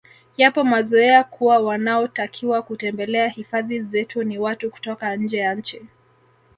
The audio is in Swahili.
Yapo mazoea kuwa wanaotakiwa kutembelea hifadhi zetu ni watu kutoka nje ya nchi